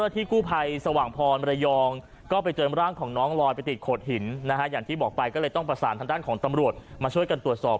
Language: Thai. ที่กู้ภัยสว่างพรมรยองก็ไปเจอร่างของน้องลอยไปติดโขดหินนะฮะอย่างที่บอกไปก็เลยต้องประสานทางด้านของตำรวจมาช่วยกันตรวจสอบ